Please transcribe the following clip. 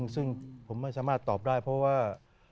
ซึ่งผมไม่สามารถตอบได้เพราะว่า